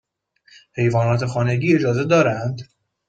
حیوانات خانگی اجازه دارند؟